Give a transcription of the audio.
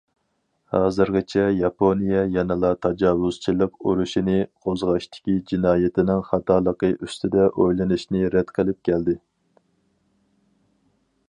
ھازىرغىچە، ياپونىيە يەنىلا تاجاۋۇزچىلىق ئۇرۇشىنى قوزغاشتىكى جىنايىتىنىڭ خاتالىقى ئۈستىدە ئويلىنىشنى رەت قىلىپ كەلدى.